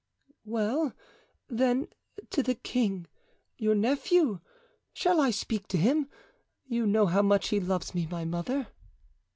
"Well, then, to the king, your nephew. Shall I speak to him? You know how much he loves me, my mother.